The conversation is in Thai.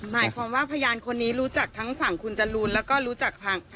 หมายความว่าพยานคนนี้รู้จักทั้งฝั่งคุณจรูนแล้วก็รู้จักทาง